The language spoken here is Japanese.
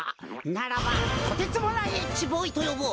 ならば「とてつもないＨボーイ」とよぼう！